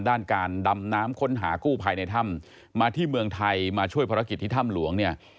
ด้านการดำน้ำค้นหากู้ภัยในถ้ำมาที่เมืองไทยมาช่วยภารกิจที่ถ้ำหลวงเนี่ย